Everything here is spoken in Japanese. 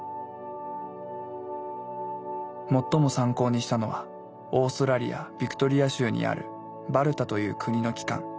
最も参考にしたのはオーストラリア・ビクトリア州にあるバルタという国の機関。